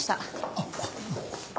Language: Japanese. あっ。